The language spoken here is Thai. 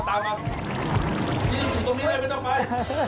ตรงนี้เลยไม่ต้องไป